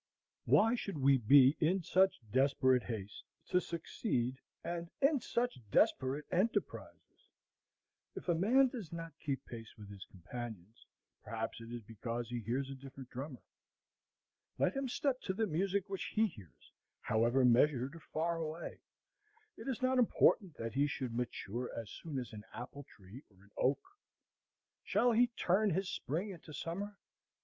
Why should we be in such desperate haste to succeed, and in such desperate enterprises? If a man does not keep pace with his companions, perhaps it is because he hears a different drummer. Let him step to the music which he hears, however measured or far away. It is not important that he should mature as soon as an apple tree or an oak. Shall he turn his spring into summer?